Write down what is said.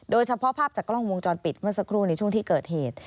โดยเฉพาะภาพจากกล้องวงจรปิดเมื่อสักครู่ในช่วงที่เกิดเหตุ